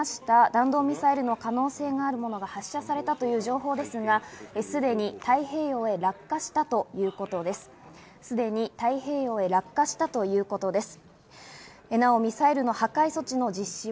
弾道ミサイルの可能性があるもの、発射されたという情報ですが、すでに太平洋へ落下したということです。